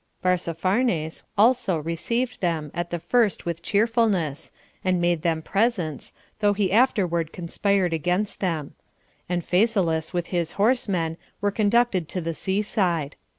Barzapharnes also received them at the first with cheerfulness, and made them presents, though he afterward conspired against them; and Phasaelus, with his horsemen, were conducted to the sea side.